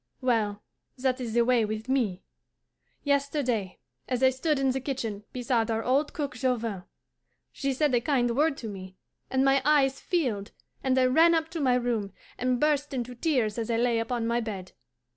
Well, that is the way with me. Yesterday, as I stood in the kitchen beside our old cook Jovin, she said a kind word to me, and my eyes filled, and I ran up to my room, and burst into tears as I lay upon my bed.